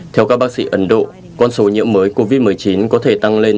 theo các bác sĩ ấn độ con số nhiễm mới covid một mươi chín có thể tăng lên